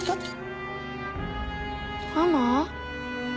ママ？